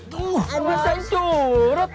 tuh ambil saya curut